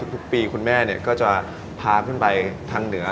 ทุกปีคุณแม่ก็จะพาขึ้นไปทางเหนือ